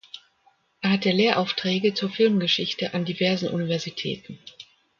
Er hatte Lehraufträge zur Filmgeschichte an diversen Universitäten.